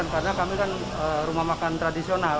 karena kami kan rumah makan tradisional